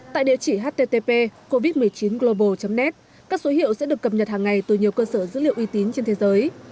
tại địa chỉ http covid một mươi chín global net các số hiệu sẽ được cập nhật hàng ngày từ nhiều cơ sở dữ liệu uy tín trên thế giới